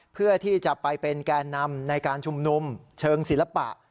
เพื่อที่จะไปเป็นแก่นำในการชุมนุมเชิงศิลปะ